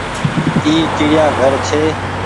اي چڙيآ گهر ڇي۔